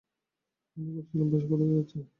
মনে করেছিলাম বেশ ভালো দেখাচ্ছে।